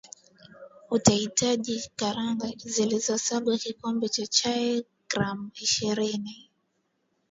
utahitaji Karanga zilizosagwa kikombe cha chai gram ishirini